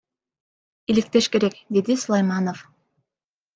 Иликтеш керек, — деди Сулайманов.